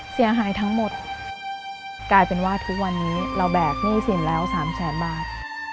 เสียหายทั้งหมดกลายเป็นว่าทุกวันนี้เราแบกหนี้สินแล้ว๓แสนบาท